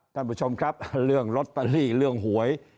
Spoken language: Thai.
ท่านผู้ชมครับเรื่องลอตเตอรี่เรื่องหวย